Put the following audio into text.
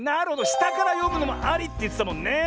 したからよむのもありってやつだもんね。